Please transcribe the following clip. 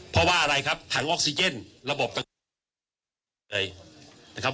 เพราะว่าอะไรครับถังออกซิเจนระบบต่างเลยนะครับ